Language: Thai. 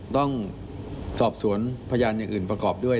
ต้องสอบสวนพยานอย่างอื่นประกอบด้วย